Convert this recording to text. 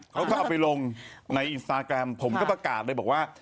เขาก็เอาไปลงในอินสตาแกรมผมก็ประกาศเลยบอกว่า